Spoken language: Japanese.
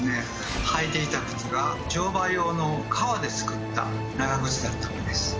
履いていた靴が乗馬用の革で作った長ぐつだったのです。